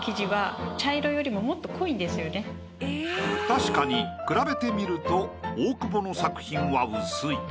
確かに比べてみると大久保の作品は薄い。